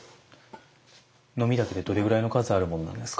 のみだけでどれぐらいの数あるものなんですか？